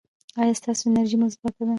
ایا ستاسو انرژي مثبت ده؟